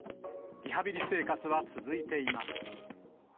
リハビリ生活は続いています。